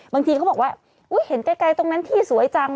บางทีเขาบอกว่าเห็นไกลตรงนั้นที่สวยจัง